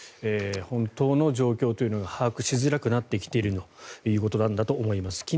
本当の状況というのが把握しづらくなってきているということだと思います。